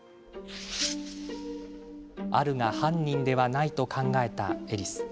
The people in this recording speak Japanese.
アルが犯人ではないと考えたエリス。